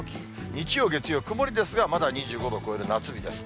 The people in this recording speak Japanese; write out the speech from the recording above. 日曜、月曜、曇りですが、まだ２５度と、夏日です。